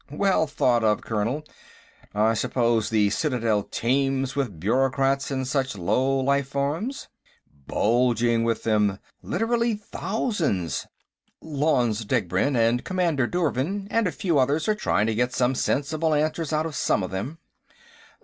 "Well thought of, Colonel. I suppose the Citadel teems with bureaucrats and such low life forms?" "Bulging with them. Literally thousands. Lanze Degbrend and Commander Douvrin and a few others are trying to get some sensible answers out of some of them."